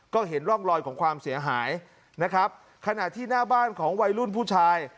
ก็เห็นร่องรอยของความเสียหายนะครับขณะที่หน้าบ้านของวัยรุ่นผู้ชาย